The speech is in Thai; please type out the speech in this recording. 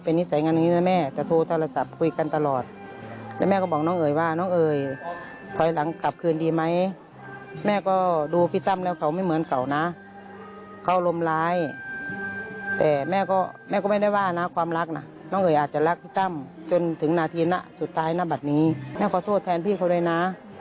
น้องเอ๋ยอาจจะรักพี่ตั้มจนถึงนาทีสุดท้ายแบบนี้แม่ขอโทษแทนพี่เขาเลยนะ